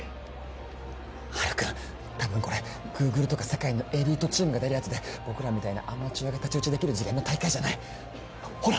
ハル君たぶんこれグーグルとか世界のエリートチームが出るやつで僕らみたいなアマチュアが太刀打ちできる次元の大会じゃないほら